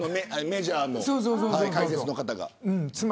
メジャーの解説の方が。